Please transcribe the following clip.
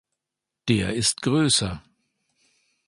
Der ist grösser.